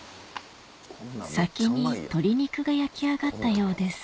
先に鶏肉が焼き上がったようです